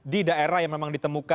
di daerah yang memang ditemukan